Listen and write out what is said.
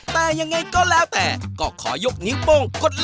แต่ยังไงก็แล้วแต่ก็ขอยกนิ้วโป้งกดไล